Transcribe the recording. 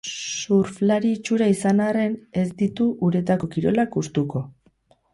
Surflari itxura izan arren, ez ditu uretako kirolak gustuko.